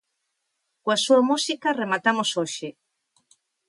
Coa súa música rematamos hoxe.